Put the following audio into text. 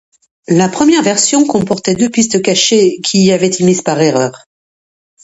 La première version comportait deux pistes cachées qui y avaient été mises par erreur.